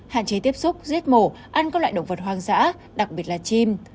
hạn chế tiếp xúc giết mổ ăn các loại động vật hoang dã đặc biệt là chim